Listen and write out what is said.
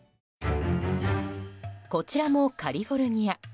こちらもカリフォルニア。